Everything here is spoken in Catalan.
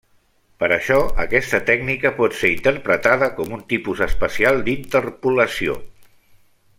Per això, aquesta tècnica pot ser interpretada com un tipus especial d’interpolació.